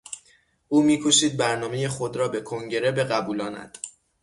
او میکوشید برنامهی خود را به کنگره بقبولاند.